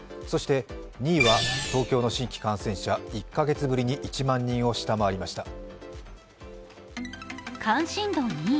そして２位は東京の新規感染者、１カ月ぶりに１万人を下回りました。